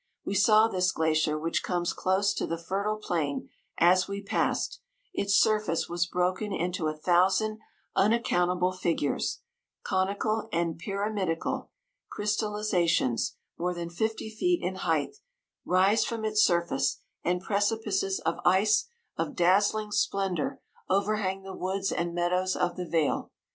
We saw this glacier which comes close to the fertile plain, as we passed, its surface was broken into a thousand unaccountable figures: conical and pyramidical crystalizations, more than fifty feet in height, rise from 155 its surface, and precipices of ice, of dazzling splendour, overhang the woods and meadows of the vale.